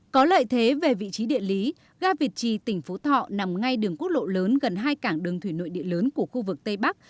có lợi thế về vị trí địa lý ga việt trì tỉnh phú thọ nằm ngay đường quốc lộ lớn gần hai cảng đường thủy nội địa lớn của khu vực tây bắc